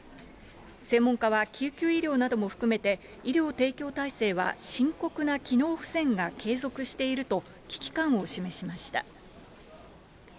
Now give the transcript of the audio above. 専門家は救急医療なども含めて、医療提供体制は深刻な機能不全が継続していると危機感を示しました。